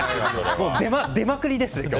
出まくりですね。